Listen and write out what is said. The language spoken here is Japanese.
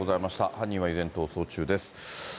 犯人は依然逃走中です。